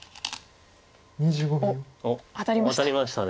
おっ当たりました。